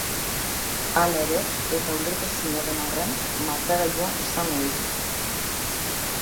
Hala ere, eta ulertezina den arren, markagailua ez da mugitu.